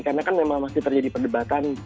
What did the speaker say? karena kan memang masih terjadi perdebatan